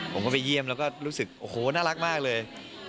ผมก็ไปเยี่ยมแล้วก็รู้สึกโอ้โหน่ารักมากเลย